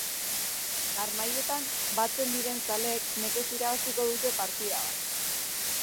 Harmailetan batzen diren zaleek nekez irabaziko dute partida bat.